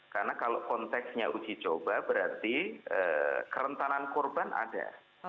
karena kalau konteksnya uji coba berarti kerentanan korban ada